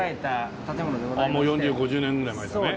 ああもう４０５０年ぐらい前だね。